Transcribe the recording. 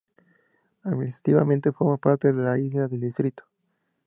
Administrativamente, forma parte de las Islas del Distrito.